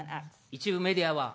一部メディアは。